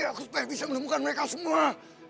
aku tak bisa menemukan mereka semua